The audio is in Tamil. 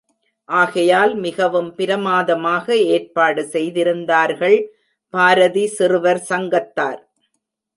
ஆகையால், மிகவும் பிரமாதமாக ஏற்பாடு செய்திருந்தார்கள் பாரதி சிறுவர் சங்கத்தார்.